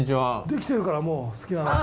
できてるからもう好きなの。